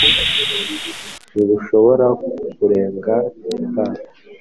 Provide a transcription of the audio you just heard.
ntibushobora kurenga t